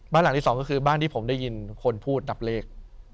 หลังที่สองก็คือบ้านที่ผมได้ยินคนพูดดับเลข